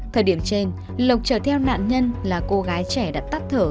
thời điểm trên lộc chở theo nạn nhân là cô gái trẻ đã tắt thở